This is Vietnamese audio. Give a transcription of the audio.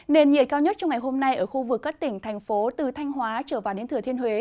nền nhiệt cao nhất trong ngày hôm nay ở khu vực các tỉnh thành phố từ thanh hóa trở vào đến thừa thiên huế